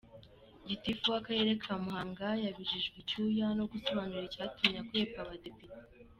Gitifu w’Akarere ka Muhanga yabijijwe icyuya no gusobanura icyatumye akwepa Abadepite.